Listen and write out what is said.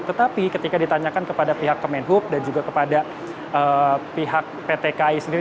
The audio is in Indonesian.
tetapi ketika ditanyakan kepada pihak kemenhub dan juga kepada pihak pt ki sendiri